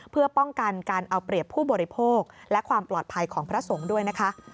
เพื่อป้องกันการเอาเปรียบผู้บริโภคและความปลอดภัยของพระสงฆ์ด้วยนะคะ